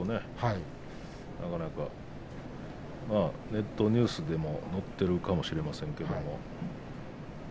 ネットニュースにも載っているかもしれませんけどね。